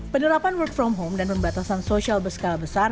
penerapan work from home dan pembatasan sosial berskala besar